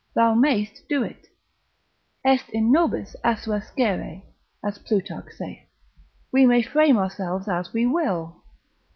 Thou mayst do it; Est in nobis assuescere (as Plutarch saith), we may frame ourselves as we will.